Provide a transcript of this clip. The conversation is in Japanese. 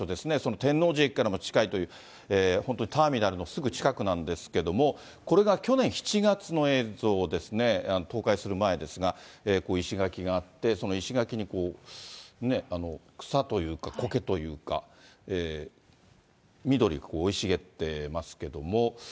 天王寺駅からも近いという、本当にターミナルのすぐ近くなんですけども、これが去年７月の映像ですね、倒壊する前ですが、石垣があって、その石垣に草というか、こけというか、緑が生い茂ってますけども。